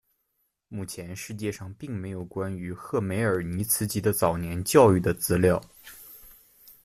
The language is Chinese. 目前世界上并没有关于赫梅尔尼茨基的早年教育的资料。